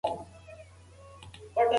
اسټروېډونه د ژوند د مطالعه کولو وسیله دي.